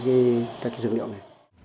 để thu nhập được các cây dược liệu này